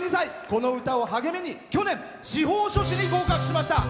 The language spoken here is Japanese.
この歌を励みに去年、司法書士に合格しました。